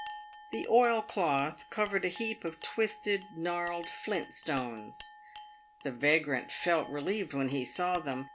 The oilcloth covered a heap of twisted, gnarled flint stones. The vagrant felt relieved when he saw them.